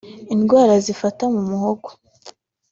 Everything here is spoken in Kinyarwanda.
indwara zifata mu muhogo